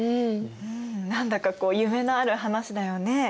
何だかこう夢のある話だよね。